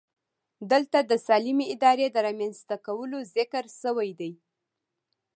دلته د سالمې ادارې د رامنځته کولو ذکر شوی دی.